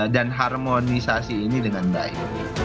dan harmonisasi ini dengan baik